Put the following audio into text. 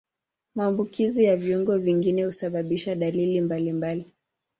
Maambukizi ya viungo vingine husababisha dalili mbalimbali.